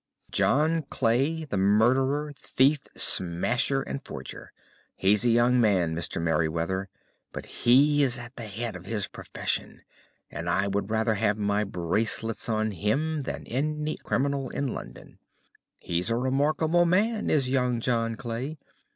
"John Clay, the murderer, thief, smasher, and forger. He's a young man, Mr. Merryweather, but he is at the head of his profession, and I would rather have my bracelets on him than on any criminal in London. He's a remarkable man, is young John Clay.